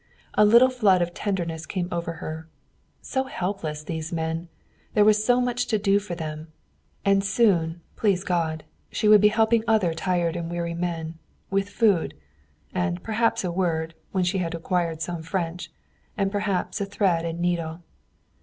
A little flood of tenderness came over her. So helpless these men! There was so much to do for them! And soon, please God, she would be helping other tired and weary men, with food, and perhaps a word when she had acquired some French and perhaps a thread and needle.